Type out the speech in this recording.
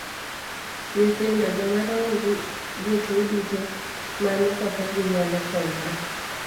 Nyithindo, joma dongo gi jotuo duto manyo kaka ginyalo konyore.